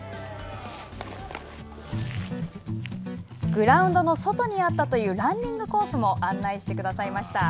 グラウンドの外にあったというランニングコースも案内してくださいました。